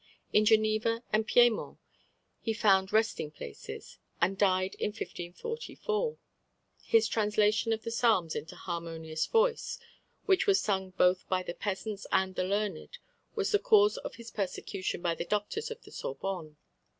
In Geneva and Piedmont he found resting places, and died in 1544. His translation of the Psalms into harmonious verse, which was sung both by the peasants and the learned, was the cause of his persecution by the doctors of the Sorbonne.